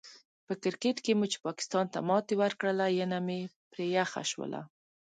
په کرکیټ کې مو چې پاکستان ته ماتې ورکړله، ینه مې پرې یخه شوله.